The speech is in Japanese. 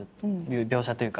描写というか。